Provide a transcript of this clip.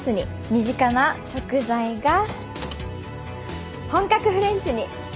身近な食材が本格フレンチに！